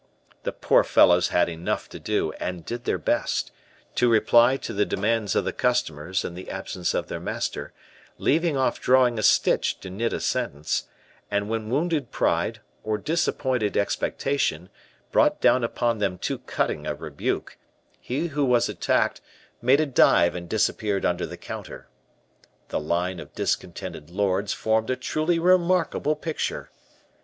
The poor fellows had enough to do, and did their best, to reply to the demands of the customers in the absence of their master, leaving off drawing a stitch to knit a sentence; and when wounded pride, or disappointed expectation, brought down upon them too cutting a rebuke, he who was attacked made a dive and disappeared under the counter. The line of discontented lords formed a truly remarkable picture.